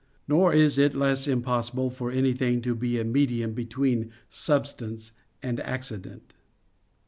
Nor is it less impossible for anything to be a medium between substance and accident.